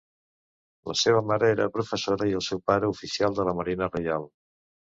La seva mare era professora i el seu pare oficial de la Marina Reial.